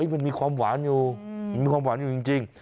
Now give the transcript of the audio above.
มันมีความหวานอยู่มันมีความหวานอยู่จริง